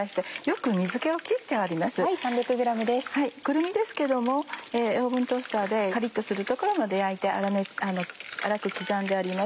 くるみですけどもオーブントースターでカリっとするところまで焼いて粗く刻んであります。